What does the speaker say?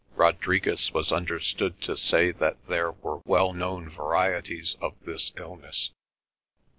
Rodriguez was understood to say that there were well known varieties of this illness.